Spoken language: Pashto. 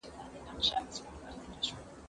زه به لاس مينځلي وي!!